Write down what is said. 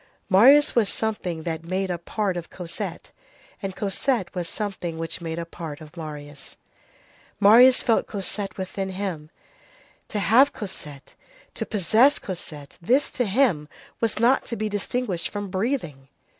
—Marius was something that made a part of Cosette, and Cosette was something which made a part of Marius. Marius felt Cosette within him. To have Cosette, to possess Cosette, this, to him, was not to be distinguished from breathing.